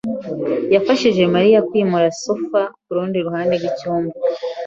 yafashije Mariya kwimura sofa kurundi ruhande rwicyumba.